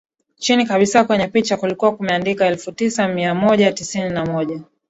chini kabisa kwenye picha kulikuwa kumendikwa elfu tisa mia moja tisini na moja